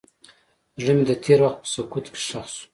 زړه مې د تېر وخت په سکوت کې ښخ شو.